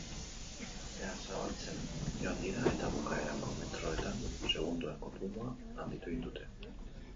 Aldea zabaltzen joan dira eta bukaerako metroetan segundoen kopurua handitu egin dute.